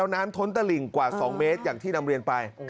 น้ำท้นตะหลิ่งกว่า๒เมตรอย่างที่นำเรียนไป